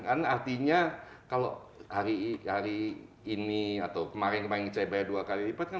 karena artinya kalau hari ini atau kemarin kemarin saya bayar dua kali lipat kan